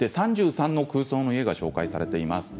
３３の空想の家が紹介されています。